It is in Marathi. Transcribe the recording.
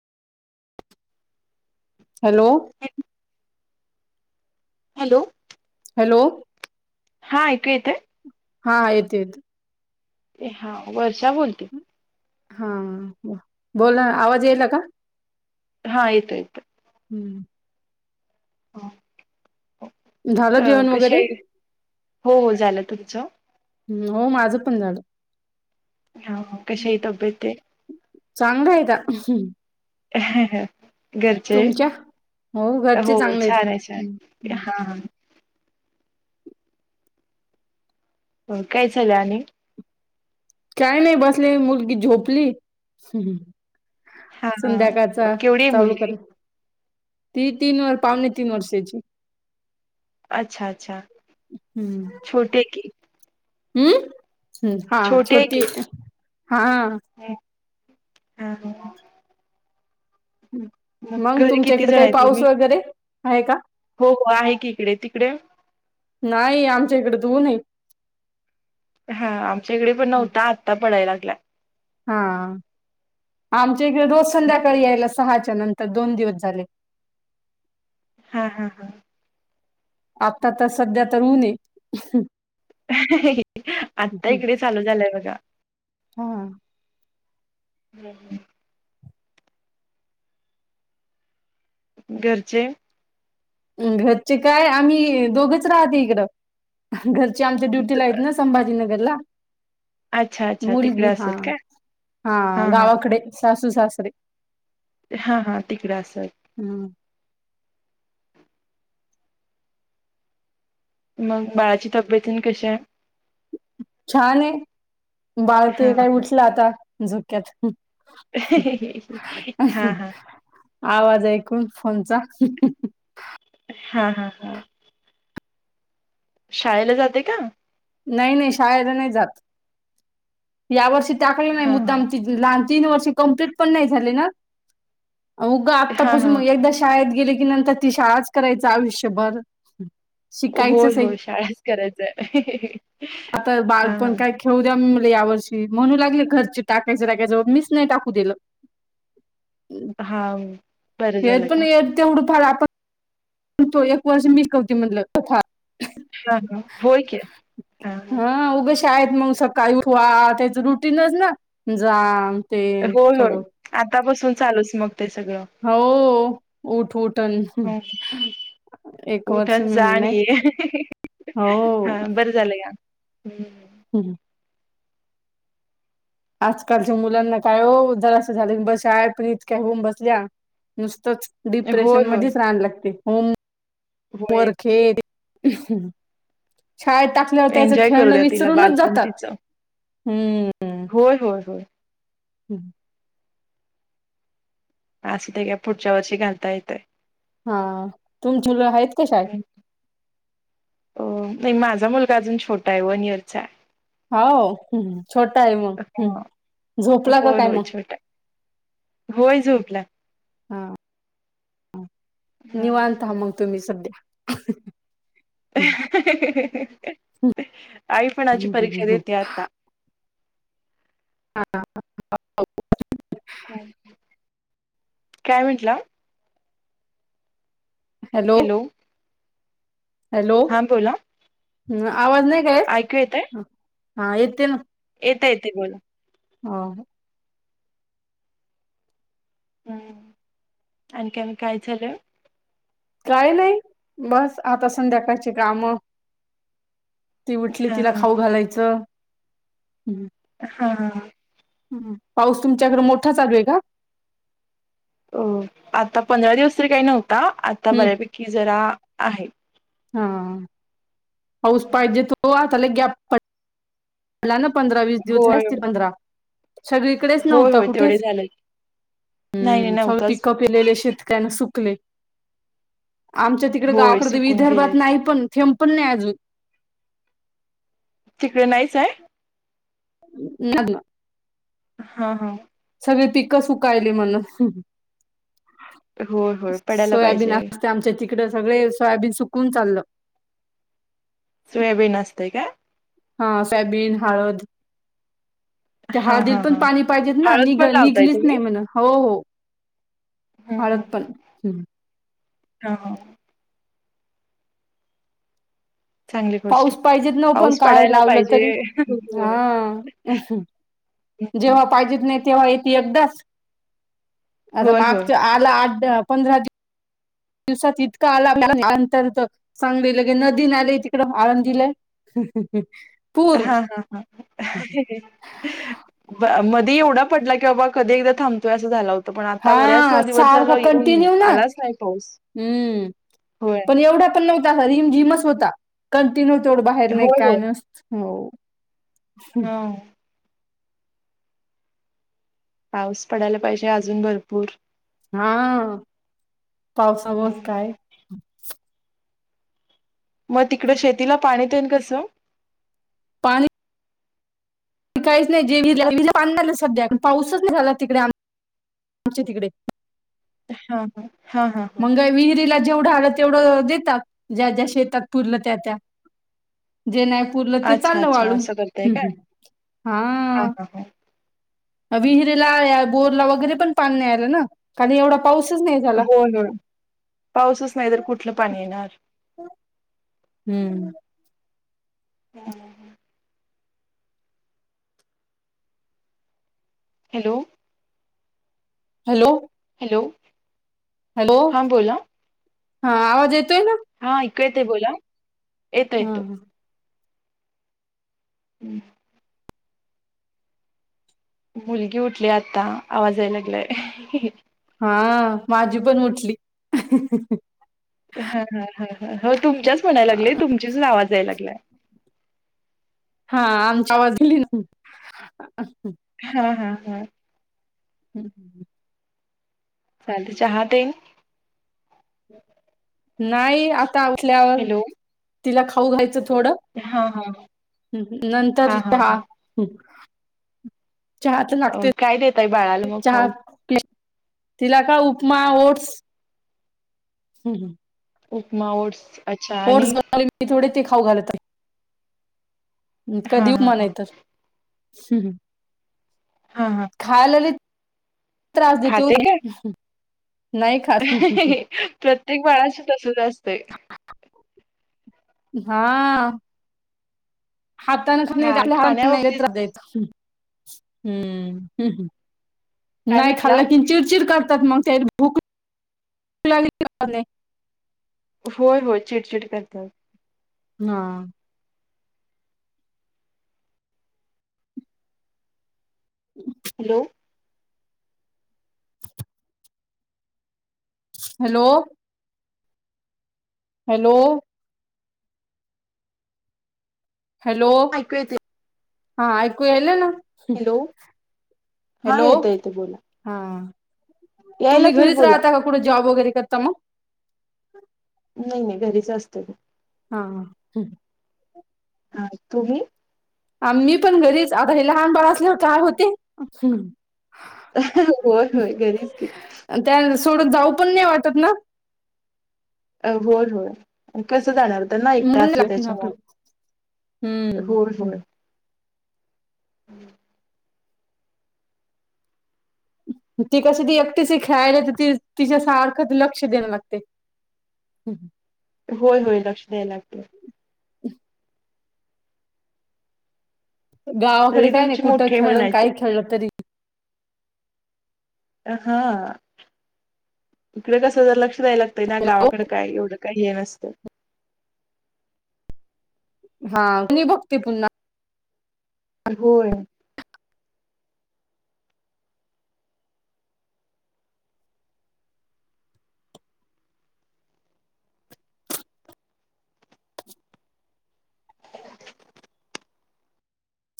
हॅलो. हॅलो. हॅलो. हा ऐकू येतेय. हा येत येत. ए हा वर्षा बोलते. हा बोला आवाज येला का. हा आयतयत. हम्म. हो झालं जेवण क वगैरे हो हो झालं तुमचं. ह् हो माझं पण झालं. हा कषायतबेत ते. चांगायता ह् ह ह घरचे तुमच्या हो घरचे चांगले छान आहे छान आहेत हा हो काय झालं आणि काय नाही बसले मुलगी झोपली हा हा संध्याकाळचा केवढी आहे चालू मुलगी? करे ती तीन व पावणे तीन वर्षाची अच्छा अच्छा छोटे क हम्म हम्म हा छोटी हा ह हा मग घरी तुमच्या किती इकडे जण काही आहे पाऊस तुम्ही? वगैरे आहे का हो हो आहे की इकडे तिकडे नाही आमच्या इकडे दोन आहे हा आमच्या इकडे पण नव्हता आत्ता पडायला लागला हा आमच्या इकडे रोज संध्याकाळी यायला सहाच्या नंतर दोन दिवस झाले हा हा हा आता तर सध्या तर होऊ नय आता इकडे चालू झालंय बघा हा हम् हम घरचे घरचे काय आम्ही दोघच राहते इकडं घर आमच्या डुटी ला आहेत ना संभाजीनगरला अच्छा अच्छा तिकडे मुलगी हा असत काय हा गावाकडे सासू सासरे हा हा तिकडें असत हम्म मग बाळाच्या तब्येतन कसे छान आहे हा बाळके काय उठलं आता झोक्यात अ हा हा आवाज ऐकून फोनचा हा हा हा शाळेला जाते का नाही नाही शाळला नाही जात या वर्षी टाकलं नाही हा हा मुद्दाम. लहान तीन वर्ष कंप्लीट पण नाही झाले ना उ ग हा आत्तापासून हा म एकदा शाळेत गेले की नंतर ती शाळाच करायचं आयुष्यभर होय शिकायचंच आहे होय शाळाच करायचंय आता हा बालपण हा काय ठेव द्या या वर्षी म्हणू लागले घरचे टाकायचे टाकायच्यावळ मीस नाही टाकू दिलं [inaudible] बरं हे झालं का पण य तेवढं फार आपण तो एक वर्ष मी कवती म्हधलं का हा हा होय क हा शाळेत मग सकाळी उ्हा त्याच रुटीनच ना जा ते होय होय सगळं आतापासून चालूच मग ते सगळं हो उठ उठन एक वर्ष उठन मी जा आणि मिलं हा बरं झालं का् हम् आजकालच्या मुलांना काय हो दरा झाले की बसय पणत काय होऊन बसल्या नुसतंच होय, डिप्रेशन होय, मध्येच राहान लागते हो होय. मर खेट शाळ ट आपल्याला त्याच एन्जॉय करू खेळण द्या तिला विसरूनच बालपण जातात तिचं. हम्म होय होय होय हम्म अस ते का पुढच्या वर्षी घालता येतय हा तुम झुल आहेत का शाळेत हो नाही माझा मुलगा अजून छोटा आहे वन इयरचा ह छोटा आहे मग हम् हा. झोपला का होय, काय होय मग छोटा होय झोपला हा हं. निवांत मग तुम्ही सध्या हंंंंहंं. आई पण अशी परीक्षा हम्म. देते आता हां हां काय म्हणटलं हॅलो हॅलो हा बोला. ह आवाज नाही का ऐकू येत हा येते ना येत येते बोला हो हम् आणिख काय झालं काय नाही बस आता संध्याकाळची काम ती उठली तिला हा, खाऊ घालायचं हं हा ह पाऊस तुमच्याकडे मोठा चालू हे का हो आता पंधरा दिवस तरी काही नव्हता आता हम्म बऱ्यापैकी जरा आहे हा पाऊस पाहिजे तो आताला गॅफ पड मला ना पंधरा वीस दिवस आहेच होय. ती पंधरा सगळी इकडेच होय नव्हतं होय कुठे. तेवढे झालेत नाही नाही सगळी नव्हताच पिके पेरलेले सगळेसुकले आमच्या तिकडे होय गावाकड सुकून विदर्भात गेलेत नाही पण थेंब पण नाही अजून तिकडे नाहीच आहे हं. नग हा हा सगळी पिक सुकायली म्हणून होय होय पडायला सोयाबीन पाहिजे असते आमच्या तिकड सगळे सोयाबीन सुकवून चाललं सोयाबीन असते का हा सोयाबीन हळद त्या हा हळदी हा पण हा. पाणी पाहिजेत ना हळद निघ पण लावताय निघलीच तुम्ही नाही म्हण हो हो हळद पण हा हा चांगली गोष्ट पाऊस पाहिजेत न पण पाऊस काय पडायला लावलं पाहिजे. तरी हा होय. हं हं. जेव्हा पाहिजेत नाही तेव्हा एकदाच. आता आला होय होय मागच्या आठ पंधरा दिव दिवसात इतकां आलांतर चांगलेलं की नदीन आले तिकडे आळंदीलंय ह हा हा हा मध्ये एवढा पडला की बाबा कधी एकदा थांबतोय असं झाला होत पण आता हा बऱ्याच दिवस झाल सारखा येऊन कंटिन्यू ना आलाच नाही पाऊस हम्म होय पण एवढा पण नव्हता रिम झिमच होता कंटिन्यू तेवढं बाहेर नाही होय काय होय नस हो हा पाऊस पडायला पाहिजे अजून भरपूर हा पावसामुळेच काय मग तिकडं शेतीला पाणी देईन कसं पाणीऽ काहीच नाही जे विज सध्या,, पाऊसच नाही झाला तिकडेऽ ग तिकडेऽ हा हा हा हा, हा मंग काय विहिरीला जेवढं आलं तेवढं देतात,, ज्या ज्या शेतात पुूरलं त्या त्याऽ जे नायपूरलं ते अच्छा चाललं अच्छा वाळू,,, असं करताय काय हम्् हा. विहिरीला, बोरला वगैरे पण पाणी नाही आलं ना,, खाली एवढा पाऊसच नाही झाला. होय पाऊसच नाही तर कुठलं पाणी येणार? हम, हम्म, हम ह,, हॅलो,,, हॅलो, हॅलो, हॅलो,, हा बोला हा आवाज येतोय ना? हा,, ऐकू येत बोला,,, येतो हा येतो. हम्, मुलगी उठली आता,, आवाज यायला लागलाय. हा,, माझी पण उठली. हा,, ह ह हो तुमच्याच म्हणायला लागलेय,,, तुमचीच आवाज याय लागलाय. हा,, आमच्या बाजीली ना. हा, हा, हा हम्, हम, चालतंय,, चहा येन? नाही,, आता उठल्यावर,, हॅलो तिला खाऊ घायचं थोडंऽ हा हा हम्,,, हा नंतर हा चहा. हा चहा तर अ, लागतोय,, काय देताय बाळाला मग चहा,, खाऊ तिला काय उपमा, ओट्स, हम्, ह, उपमा, ओट्स, अच्छा आणि ओट्स बनवले मी, थोडे ते खाऊ घालत आहे. हम्,, हा कधी हा उपमा हा नाही, नाही तर हम््ऽ हा,, हा, खायला लय त्रास देते खाते काय होऽ प्रत्येक बाळाच तसच असतंय. हा, हातान खा आपल्या खाण्याबाबतीत हऽऽ हम्म, हम्म, हम् काय नाही म्हटला खाल्लं कि चिडचिड करतात मग,, त्या भूक लागली नाहीऽ होय, होय,,, चिडचिड करतात. हा, ह, हॅलो,, हॅलो,, हॅलो,, हॅलो,, ऐकू येते हा ऐकू आल ना? हॅलो,, हा हॅलो येतं येतं बोला. हा,, यायला तुम्ही लागली घरीच बोला राहता का कुठे जॉब वगैरे करता मग? नाही, नाही घरीच असते. हा, ह्, हा,, तुम्ही? आ मी पण घरीच,, आता हे लहान बाळ असल्यावर काय होतेऽ होय होय घरीच गी त्या सोडून जाऊ पण नाही वाटत ना अ होय होय कसं जाणार त्यांना एकटा म्हणून असे लागत ना आपलं त्याच्यावर होय हम्म होय हम्म ती कशी ती एकटेस खेळायला तर ती तिच्यासारखं लक्ष देणं लागते हम ह होय होय लक्ष द्यायला लागत ह गावाकडे तरी काय नाही तुमची कुठं मोठे खेळलं म्हणायचं काय खेळलं तरी हा इकडे कस ज लक्ष द्यायला लागतय ना गावाकडे काय एवढं काही हे नसतं हा की बघते पुन्हा होय